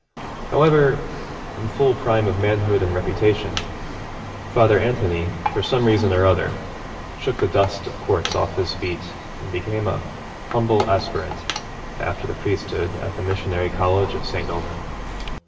However, in full prime of manhood and reputation, Father Anthony, for some reason or other, shook the dust of courts off his feet, and became a humble aspirant after the priesthood at the missionary College of St. Omer.